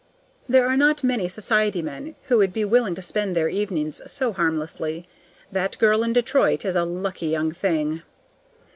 There are not many society men who would be willing to spend their evenings so harmlessly. That girl in Detroit is a lucky young thing.